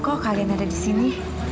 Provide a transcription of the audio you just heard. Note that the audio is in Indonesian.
kok kalian ada di sini